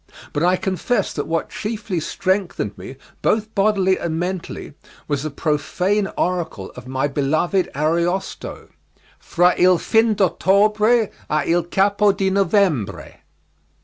But I confess that what chiefly strengthened me, both bodily and mentally, was the profane oracle of my beloved Ariosto: 'Fra il fin d'ottobre, a il capo di novembre'.